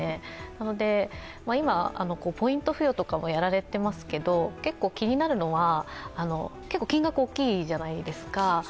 今、ポイント付与とかもやられていますけど、結構気になるのは金額大きいじゃないですか。